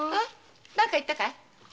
何か言ったかい？